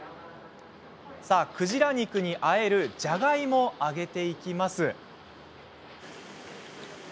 鯨肉にあえるじゃがいもを揚げていきます。